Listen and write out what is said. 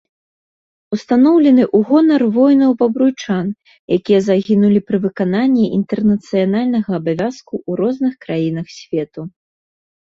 Устаноўлены ў гонар воінаў-бабруйчан, якія загінулі пры выкананні інтэрнацыянальнага абавязку ў розных краінах свету.